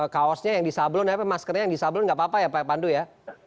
kaosnya yang disablon tapi maskernya yang disablon nggak apa apa ya pak pandu ya